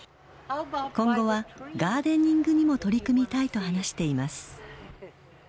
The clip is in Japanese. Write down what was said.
今後はガーデニングにも取り組みたいと話しています。